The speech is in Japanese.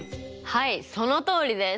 はいそのとおりです。